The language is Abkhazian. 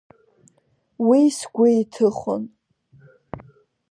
Уи сгәы иҭыхон.